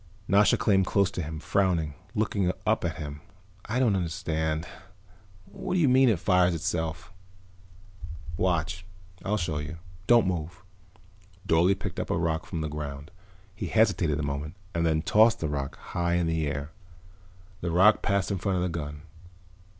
Nasha came close to him, frowning, looking up at him. "I don't understand. What do you mean, it fires itself?" "Watch, I'll show you. Don't move." Dorle picked up a rock from the ground. He hesitated a moment and then tossed the rock high in the air. The rock passed in front of the gun.